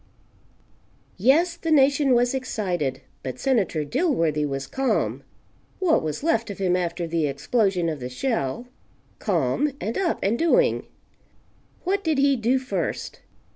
Yes, the nation was excited, but Senator Dilworthy was calm what was left of him after the explosion of the shell. Calm, and up and doing. What did he do first?